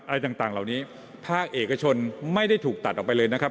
อะไรต่างเหล่านี้ภาคเอกชนไม่ได้ถูกตัดออกไปเลยนะครับ